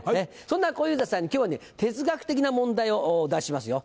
そんな小遊三さんに今日は哲学的な問題を出しますよ。